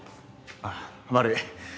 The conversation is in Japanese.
ああ悪い。